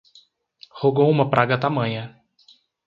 Rogou uma praga tamanha